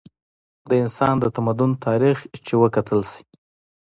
د انسان د تمدن تاریخ چې وکتلے شي